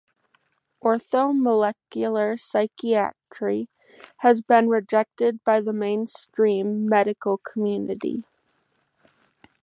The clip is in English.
Orthomolecular psychiatry has been rejected by the mainstream medical community.